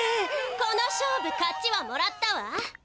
この勝負勝ちはもらったわ。